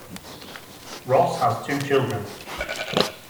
Ross has two children.